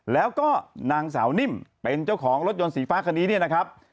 แล้วก็นางสาวนิ่มเป็นเจ้าของรถยนต์สีฟ้าคันนี้เนี่ยนะครับ